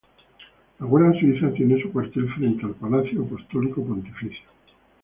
La Guardia Suiza tiene su cuartel frente al Palacio Apostólico Pontificio.